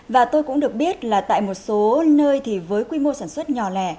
và tôi cũng được biết là tại một số nơi thì với quy mô sản xuất nhỏ lẻ